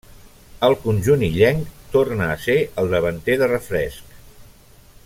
Al conjunt illenc torna a ser el davanter de refresc.